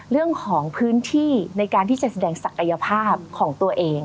เรื่องของพื้นที่ในการที่จะแสดงศักยภาพของตัวเอง